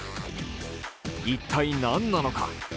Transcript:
一体、何なのか。